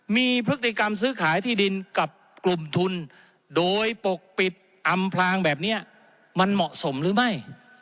มีพฤติกรรมซื้อขายที่ดินกับกลุ่มทุนโดยปกปิดอำพลางแบบนี้มันเหมาะสมหรือไม่